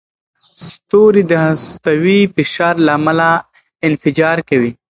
ستوري د هستوي فشار له امله انفجار کوي.